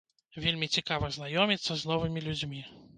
Вельмі цікава знаёміцца з новымі людзьмі.